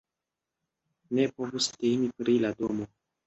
Ne povus temi pri la domo.